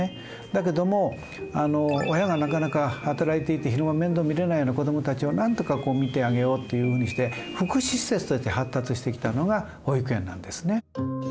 だけども親がなかなか働いていて昼間面倒見れないような子どもたちをなんとかこう見てあげようっていうふうにして福祉施設として発達してきたのが保育園なんですね。